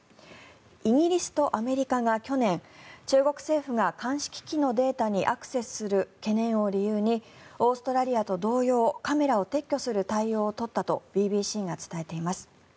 イギリスとアメリカが去年、中国政府が監視機器のデータにアクセスする懸念を理由にオーストラリアと同様カメラを撤去する対応を取ったとＢＢＣが伝えています。